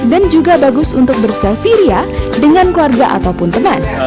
dan juga bagus untuk berselfie dengan keluarga ataupun teman